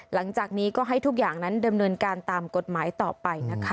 หลังจากนี้ก็ให้ทุกอย่างนั้นดำเนินการตามกฎหมายต่อไปนะคะ